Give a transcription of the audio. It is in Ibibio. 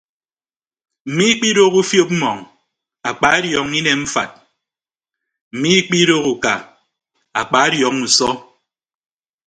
Miikpidooho ufiop mmọọñ akpadiọọñọ inem mfat miikpidooho uka akpadiọọñọ usọ.